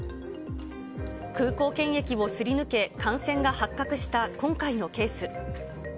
空港検疫をすり抜け、感染が発覚した今回のケース。